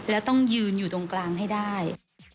แล้วต้องยืนอยู่ตรงกลางให้ได้